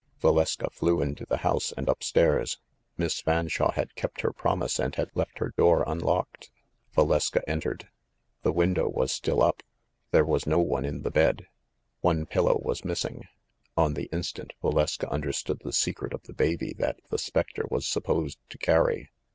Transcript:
Valeska flew into the house and up stairs. Miss Fanshawe had kept her promise and had left her door unlocked. Valeska entered. The window was still up. There was no one in the bed. One pillow was missing. On the instant Valeska understood the secret of the baby that the specter was supposed to carry.